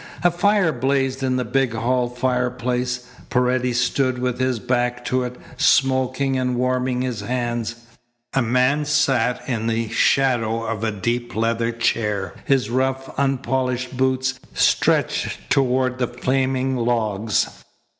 A fire blazed in the big hall fireplace. Paredes stood with his back to it, smoking and warming his hands. A man sat in the shadow of a deep leather chair, his rough, unpolished boots stretched toward the flaming logs.